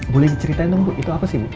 boleh diceritain dong bu itu apa sih